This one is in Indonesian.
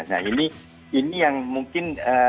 nah ini yang mungkin